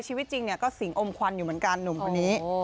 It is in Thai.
ชีวิตจริงก็สิงอมควันอยู่เหมือนกันหนุ่มคนนี้